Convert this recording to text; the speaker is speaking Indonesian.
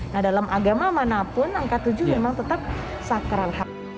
nah dalam agama manapun angka tujuh memang tetap sakral hak